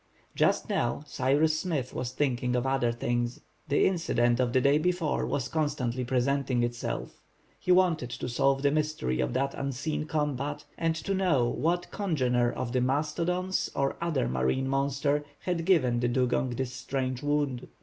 Just now, Cyrus Smith was thinking of other things. The incident of the day before was constantly presenting itself. He wanted to solve the mystery of that unseen combat, and to know what congener of the mastodons or other marine monster had given the dugong this strange wound.